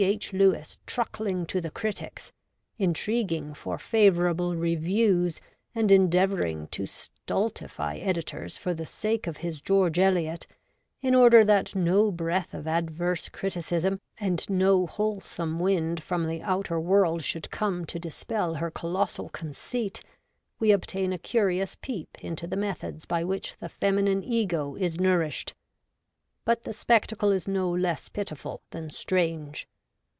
H. Lewis truckling to the critics, intriguing for favourable reviews, and endeavouring to stultify editors for the sake of his George Eliot, in order that no breath of adverse criticism and no wholesome wind from the outer world should come to dispel her colossal conceit, we obtain a curious peep into the methods by which the feminine Ego WOMAN IN LITERATURE, POLITICS, & c. 51 is nourished. But the spectacle is no less pitiful than strange.